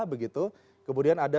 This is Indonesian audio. begitu kemudian ada